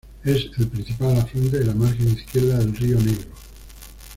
Es el principal afluente de la margen izquierda del Río Negro.